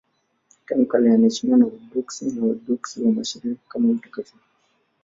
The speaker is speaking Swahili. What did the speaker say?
Tangu kale anaheshimiwa na Waorthodoksi na Waorthodoksi wa Mashariki kama mtakatifu.